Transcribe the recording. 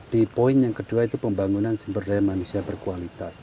di poin yang kedua itu pembangunan sumber daya manusia berkualitas